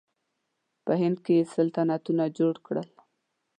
په هند کې یې سلطنتونه جوړ کړل.